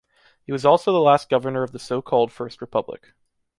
He was also the last governor of the so-called first republic.